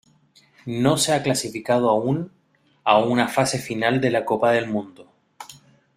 No se ha clasificado aún a una fase final de la Copa del Mundo.